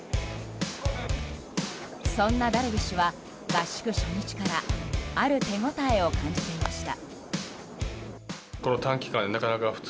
そんなダルビッシュは合宿初日からある手応えを感じていました。